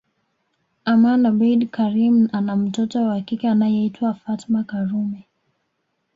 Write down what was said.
Aman abeid Karim ana mtoto wa kike anayeitwa Fatma Karume